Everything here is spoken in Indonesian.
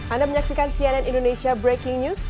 anda menyaksikan cnn indonesia breaking news